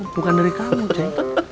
bukan dari kamu ceh